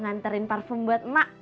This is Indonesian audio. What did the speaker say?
nganterin parfum buat emak